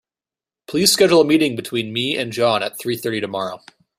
Please schedule a meeting between me and John at three thirty tomorrow.